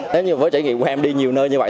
nếu như với trải nghiệm của em đi nhiều nơi như vậy